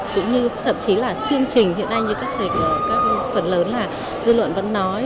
cũng như thậm chí là chương trình hiện nay như các phần lớn là dư luận vẫn nói